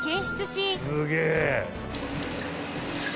すげえ！